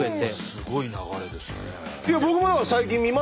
すごい流れですね。